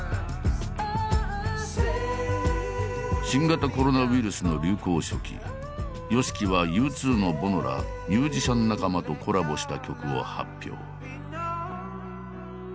新型コロナウイルスの流行初期ＹＯＳＨＩＫＩはＵ２のボノらミュージシャン仲間とコラボした曲を発表。